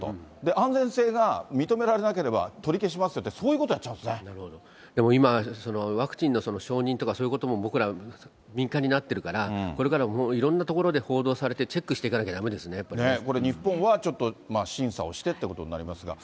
安全性が認められなければ取り消しますよって、でも今、ワクチンの承認とか、そういうことも僕ら敏感になってるから、これからいろんなところで報道されて、チェックしていかなきゃだめですね、これ、日本はちょっと審査をしてということになりますが。